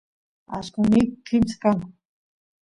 allqosniyku kimsa kanku